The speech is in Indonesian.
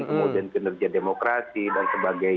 kemudian kinerja demokrasi